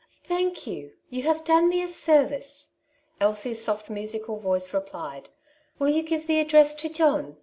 thank you ; you have done me a service/' Elsie's soft musical voice replied; ''will you give the address to John